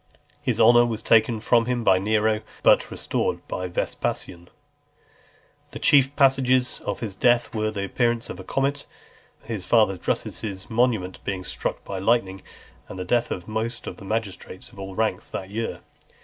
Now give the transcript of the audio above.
This honour was taken from him by Nero, but restored by Vespasian. XLVI. The chief presages of his death were, the appearance of a comet, his father Drusus's monument being struck by lightning, and the death of most of the magistrates of all ranks that year.